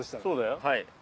そうだよ。